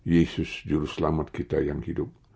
yesus juru selamat kita yang hidup